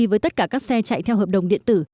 với tất cả các xe chạy theo hợp đồng điện tử